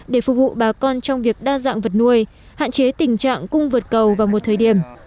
để phục vụ bà con trong việc đa dạng vật nuôi hạn chế tình trạng cung vượt cầu vào một thời điểm